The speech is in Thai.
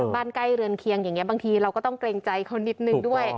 ใกล้เรือนเคียงอย่างนี้บางทีเราก็ต้องเกรงใจเขานิดนึงด้วย